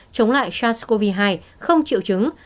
trong khi covid một mươi chín không triệu chứng